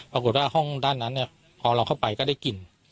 ปรากฏว่าห้องด้านนั้นเนี่ยพอเราเข้าไปก็ได้กิน